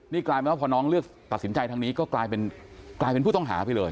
นี่กลายเป็นว่าพอน้องเลือกตัดสินใจทางนี้ก็กลายเป็นผู้ต้องหาไปเลย